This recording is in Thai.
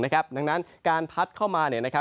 ดังนั้นการพัดเข้ามา